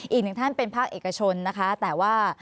อีกหนึ่งท่านเป็นภาคเอกชนนะคะแต่ว่า